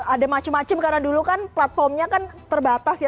ada macam macam karena dulu kan platformnya kan terbatas ya